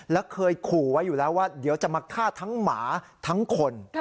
และเคยขู่ไว้อยู่แล้วว่าเดี๋ยวจะมาฆ่าทั้งหมาทั้งคน